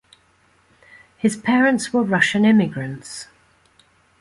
His parents were Russian immigrants.